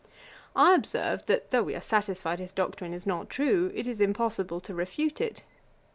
I observed, that though we are satisfied his doctrine is not true, it is impossible to refute it.